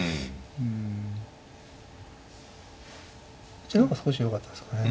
こっちの方が少しよかったですかね。